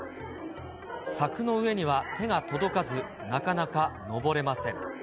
柵の上には手が届かず、なかなか登れません。